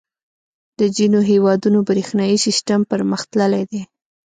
• د ځینو هېوادونو برېښنايي سیسټم پرمختللی دی.